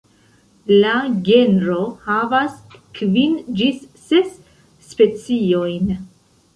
La genro havas kvin ĝis ses speciojn.